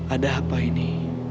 ada apa ini